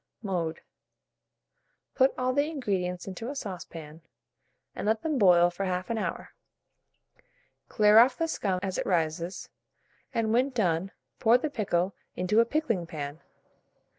Mode. Put all the ingredients into a saucepan, and let them boil for 1/2 hour, clear off the scum as it rises, and when done pour the pickle into a pickling pan.